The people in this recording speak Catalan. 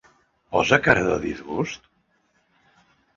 Posa cara de disgust?